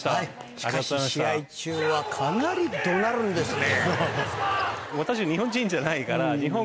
しかし試合中はかなり怒鳴るんですね。